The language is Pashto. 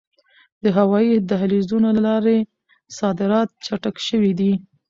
د هوایي دهلیزونو له لارې صادرات چټک شوي دي.